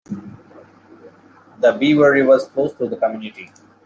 The Beaver River flows through the community.